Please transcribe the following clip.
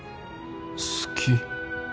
好き？